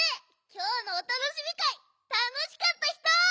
きょうのおたのしみかいたのしかったひと！